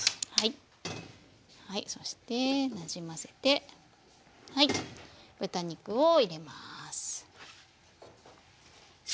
そしてなじませて豚肉を入れます。